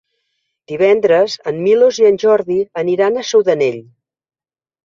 Divendres en Milos i en Jordi aniran a Sudanell.